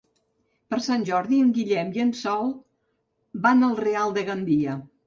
Per Sant Jordi en Guillem i en Sol van al Real de Gandia.